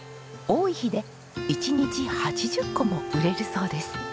多い日で一日８０個も売れるそうです。